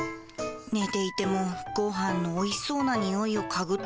寝ていても、ごはんのおいしそうなにおいを嗅ぐと。